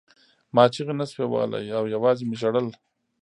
ما چیغې نشوې وهلی او یوازې مې ژړل